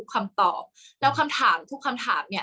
กากตัวทำอะไรบ้างอยู่ตรงนี้คนเดียว